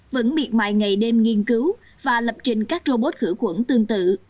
vẫn biệt mại ngày đêm nghiên cứu và lập trình các robot khử khuẩn tương tự